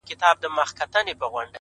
وخت د غفلت تاوان زیاتوي؛